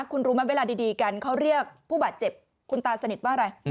คุณรู้ไหมเวลาดีกันเขาเรียกผู้บาดเจ็บคุณตาสนิทว่าอะไร